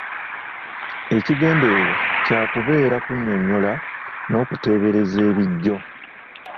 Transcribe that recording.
Ekigendererwa kya kubeera kunnyonnyola n’okuteebereza ebijjo.